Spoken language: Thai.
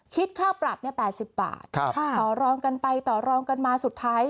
คิดค่าปรับเนี้ยแปดสิบบาทครับต่อรองกันไปต่อรองกันมาสุดท้าย